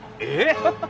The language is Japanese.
ハハハッ。